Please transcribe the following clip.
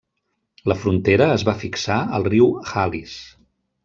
La frontera es va fixar al riu Halis.